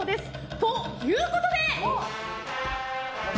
ということで。